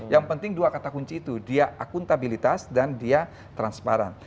yang penting dua kata kunci itu dia akuntabilitas dan dia transparan